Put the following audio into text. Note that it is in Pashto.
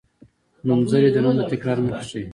نومځری د نوم د تکرار مخه ښيي.